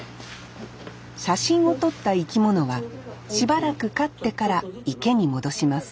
写真を撮った生き物はしばらく飼ってから池に戻します